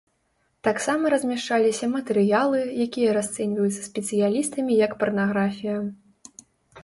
Таксама размяшчаліся матэрыялы, якія расцэньваюцца спецыялістамі як парнаграфія.